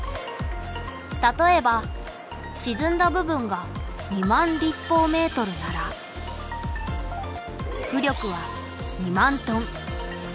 例えばしずんだ部分が２万立方メートルなら浮力は２万ｔ。